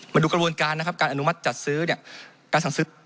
มาดูกระบวนการการอนุมัติการสั่งซื้อ